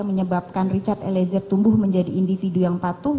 menyebabkan richard eliezer tumbuh menjadi individu yang patuh